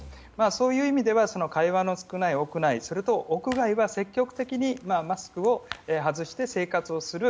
そういう意味では会話の少ない屋内、そして屋外は積極的にマスクを外して生活する。